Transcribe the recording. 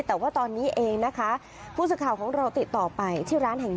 แต่ว่าตอนนี้เองนะคะผู้สื่อข่าวของเราติดต่อไปที่ร้านแห่ง๑